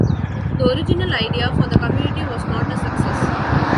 The original idea for the community was not a success.